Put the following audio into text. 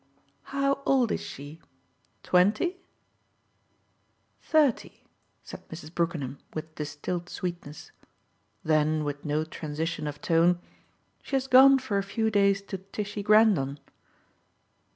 "How old is she twenty?" "Thirty!" said Mrs. Brookenham with distilled sweetness. Then with no transition of tone: "She has gone for a few days to Tishy Grendon."